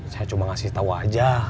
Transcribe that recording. saya cuma ngasih tahu aja